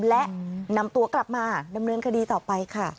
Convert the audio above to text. และนำตัวกลับมาดำเนินคดีต่อไปค่ะ